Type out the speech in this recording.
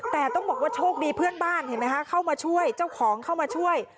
แต่ต้องบอกว่าโชคดีเพื่อนบ้านเห็นไหมคะเข้ามาช่วยเจ้าของเข้ามาช่วย